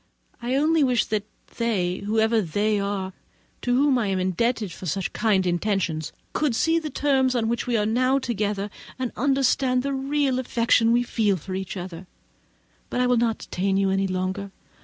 I only wish that they, whoever they are, to whom I am indebted for such kind intentions, could see the terms on which we now are together, and understand the real affection we feel for each other; but I will not detain you any longer.